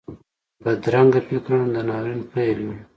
بدرنګه فکرونه د ناورین پیل وي